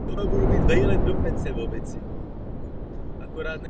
Nechci však prodlužovat rozpravu.